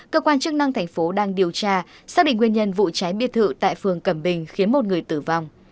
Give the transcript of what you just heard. cơ quan chức năng thành phố đang điều tra xác định nguyên nhân vụ cháy biệt thự tại phường cẩm bình khiến một người tử vong